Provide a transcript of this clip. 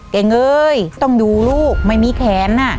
เก๋งเอ๊ยต้องดูลูกไม่มีแขนน่ะ